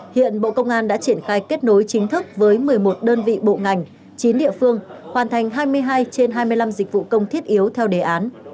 hiện bộ công an đã triển khai kết nối chính thức với một mươi một đơn vị bộ ngành chín địa phương hoàn thành hai mươi hai trên hai mươi năm dịch vụ công thiết yếu theo đề án